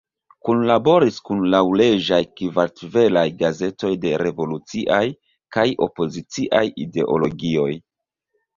Kunlaboris kun laŭleĝaj kartvelaj gazetoj de revoluciaj kaj opoziciaj ideologioj.